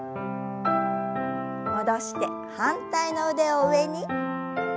戻して反対の腕を上に。